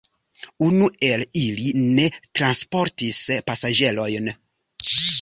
Unu el ili ne transportis pasaĝerojn.